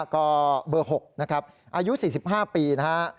ก็เบอร์๖นะครับอายุ๔๕ปีนะฮะ